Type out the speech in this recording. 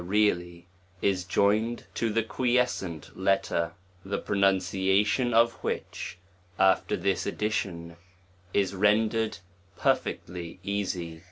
ie / realty is joined t i *o the quiescent letter ; the pronunci^ti <after this addition, is rendered perfectly easy.